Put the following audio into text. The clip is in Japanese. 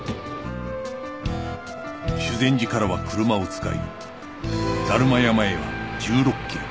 修善寺からは車を使い達磨山へは１６キロ